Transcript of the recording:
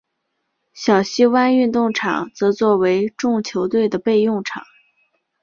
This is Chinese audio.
小西湾运动场则作为众球队的备用场。